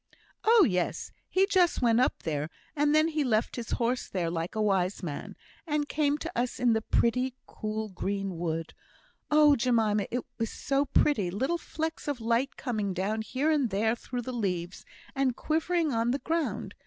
"Oh, yes! he just went up there; and then he left his horse there, like a wise man, and came to us in the pretty, cool, green wood. Oh, Jemima, it was so pretty little flecks of light coming down here and there through the leaves, and quivering on the ground.